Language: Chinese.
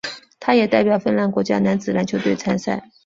他也代表芬兰国家男子篮球队参赛。